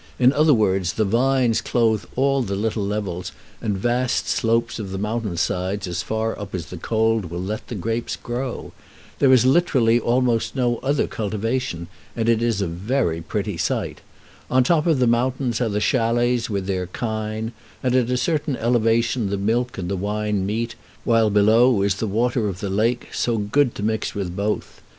In other words, the vines clothe all the little levels and vast slopes of the mountain sides as far up as the cold will let the grapes grow. There is literally almost no other cultivation, and it is a very pretty sight. On top of the mountains are the chalets with their kine, and at a certain elevation the milk and the wine meet, while below is the water of the lake, so good to mix with both.